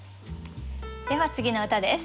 では次の歌です。